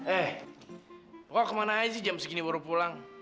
eh bokap kemana aja sih jam segini baru pulang